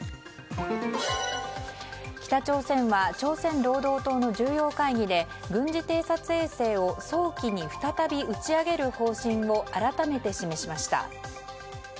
北朝鮮は朝鮮労働党の重要会議で軍事偵察衛星を早期に再び打ち上げる方針を改めて示しました。